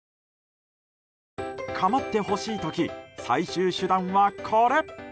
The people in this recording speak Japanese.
構ってほしい時最終手段はこれ。